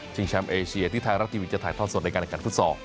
ชิงแชมป์เอเชียที่ทางรับทีวิทย์จะถ่ายท่อนสดในการการฟุตซอร์